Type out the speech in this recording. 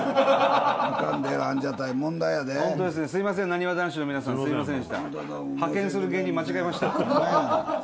なにわ男子の皆さんすいませんでした。